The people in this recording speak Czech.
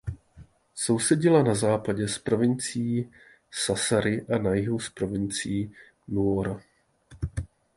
Sousedila na západě s provincií Sassari a na jihu s provincií Nuoro.